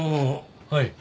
はい。